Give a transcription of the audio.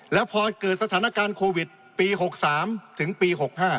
แล้วพอเกิดสถานการณ์โควิดปี๖๓ถึงปี๖๕